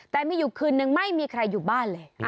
แต่มีอยู่คืนนึงไม่มีใครอยู่บ้านเลย